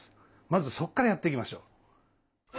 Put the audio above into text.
まずそこからやっていきましょう。